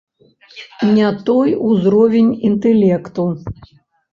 Не той узровень інтэлекту.